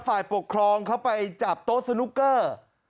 ฝ่ายปกครองเขาไปจับโต๊ะสนุกเกอร์